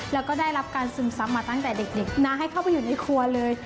แล้วก็ได้รับการซึมซับมาตั้งแต่เด็กนะให้เข้าไปอยู่ในครัวเลย